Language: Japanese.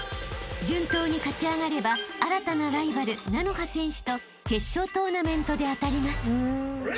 ［順当に勝ち上がれば新たなライバルｎａｎｏｈａ選手と決勝トーナメントで当たります］